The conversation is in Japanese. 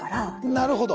なるほど。